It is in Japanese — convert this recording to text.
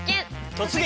「突撃！